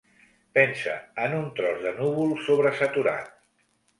Pensa en un tros de núvol sobresaturat.